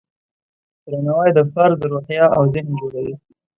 درناوی د فرد روحیه او ذهن جوړوي.